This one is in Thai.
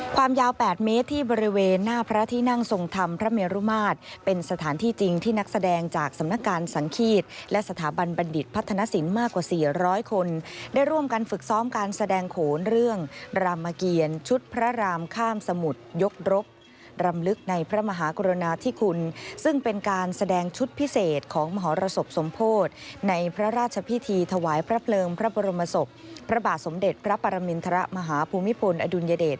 ความยาวแปดเมตรที่บริเวณหน้าพระที่นั่งทรงธรรมพระเมรุมาตรเป็นสถานที่จริงที่นักแสดงจากสำนักการสังคีตและสถาบันบันดิตพัฒนสินมากกว่าสี่ร้อยคนได้ร่วมกันฝึกซ้อมการแสดงโขหน้าพระเมรุมาตรได้ร่วมกันฝึกซ้อมการแสดงโขหน้าพระเมรุมาตรได้ร่วมกันฝึกซ้อมการแสดงโขหน้าพระเ